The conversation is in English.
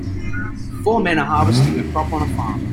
Four men are harvesting a crop on a farm.